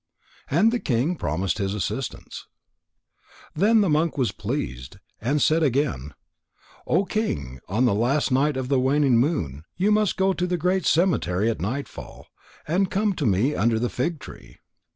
And the king promised his assistance. Then the monk was pleased, and said again: "O King, on the last night of the waning moon, you must go to the great cemetery at nightfall, and come to me under the fig tree."